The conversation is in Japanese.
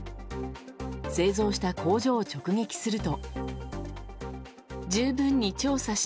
製造した工場を直撃すると。